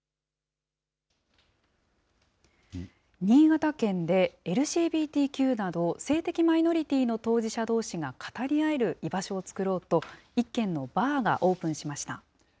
新潟県でＬＧＢＴＱなど、性的マイノリティーの当事者どうしが、語り合える居場所を作ろうと、１軒のバーがオープンしました。